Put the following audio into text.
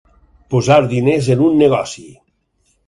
Posar diners en un negoci.